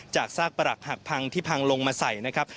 ซากประหลักหักพังที่พังลงมาใส่นะครับ